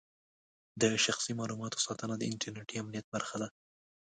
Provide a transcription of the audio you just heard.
د شخصي معلوماتو ساتنه د انټرنېټي امنیت برخه ده.